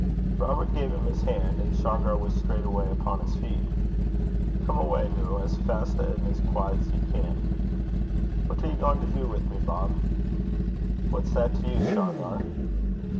Robert gave him his hand, and Shargar was straightway upon his feet. 'Come awa' noo, as fest and as quaiet 's ye can.' 'What are ye gaein' to du wi' me, Bob?' 'What's that to you, Shargar?'